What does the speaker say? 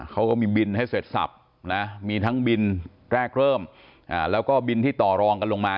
เขาก็มีบินให้เสร็จสับนะมีทั้งบินแรกเริ่มแล้วก็บินที่ต่อรองกันลงมา